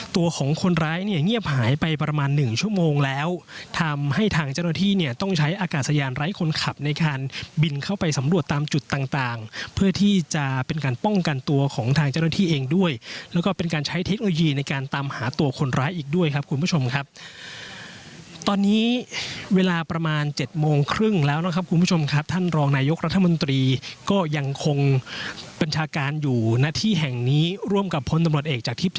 ตัวของคนร้ายเนี่ยเงียบหายไปประมาณหนึ่งชั่วโมงแล้วทำให้ทางเจ้าหน้าที่เนี่ยต้องใช้อากาศยานไร้คนขับในการบินเข้าไปสำรวจตามจุดต่างต่างเพื่อที่จะเป็นการป้องกันตัวของทางเจ้าหน้าที่เองด้วยแล้วก็เป็นการใช้เทคโนโลยีในการตามหาตัวคนร้ายอีกด้วยครับคุณผู้ชมครับตอนนี้เวลาประมาณเจ็ดโมงครึ่งแล